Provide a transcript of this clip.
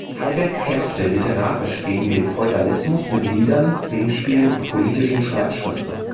Heiberg kämpfte literarisch gegen den Feudalismus mit Liedern, Singspielen und politischen Streitschriften.